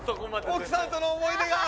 奥さんとの思い出が。